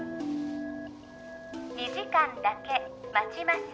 ２時間だけ待ちます